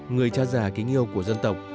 người cha già kính yêu của dân tộc